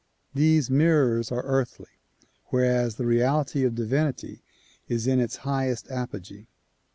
These mirrors are earthly whereas the reality of divinity is in its highest apogee.